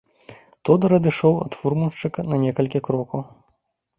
Тодар адышоў ад фурманшчыка на некалькі крокаў.